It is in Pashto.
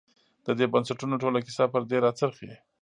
د دې بنسټونو ټوله کیسه پر دې راڅرخي.